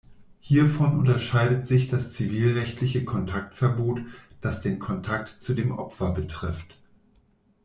Hiervon unterscheidet sich das zivilrechtliche Kontaktverbot, das den Kontakt zu dem Opfer betrifft.